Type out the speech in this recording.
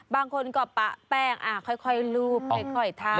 บางคนก็ปะแป้งค่อยลูบทะ